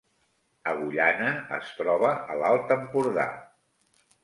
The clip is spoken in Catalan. Agullana es troba a l’Alt Empordà